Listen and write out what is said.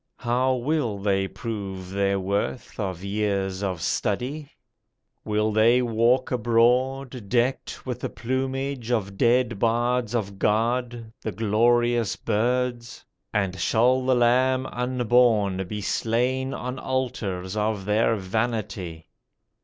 How will they prove their worth Of years of study? Will they walk abroad Decked with the plumage of dead bards of God, The glorious birds? And shall the lamb unborn Be slain on altars of their vanity?